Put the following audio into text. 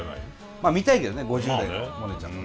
まあ見たいけどね５０代のモネちゃんも。